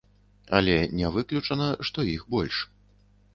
Але не выключана, што іх больш.